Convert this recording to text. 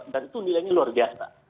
dan itu nilainya luar biasa